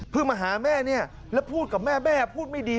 มาหาแม่เนี่ยแล้วพูดกับแม่แม่พูดไม่ดี